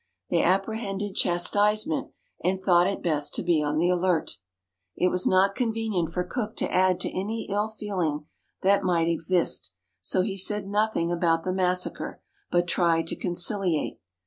They apprehended chastisement, and thought it best to be on the alert. It was not convenient for Cook to add to any ill feeling that might exist, so he said nothing about the massacre, blit tried to conciliate.